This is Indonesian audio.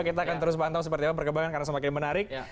kita akan terus pantau seperti apa perkembangan karena semakin menarik